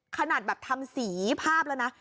ขนาดแบบทำสีภาพแล้วนะ